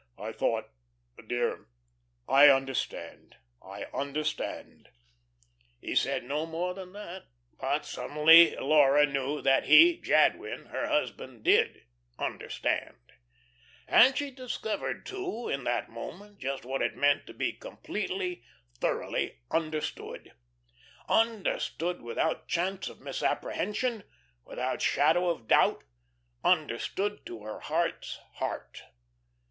"I thought Dear, I understand, I understand." He said no more than that. But suddenly Laura knew that he, Jadwin, her husband, did "understand," and she discovered, too, in that moment just what it meant to be completely, thoroughly understood understood without chance of misapprehension, without shadow of doubt; understood to her heart's heart.